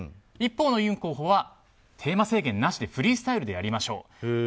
一方のユン候補はテーマ制限なしでフリースタイルでやりましょうと。